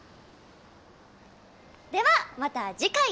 ではまた次回。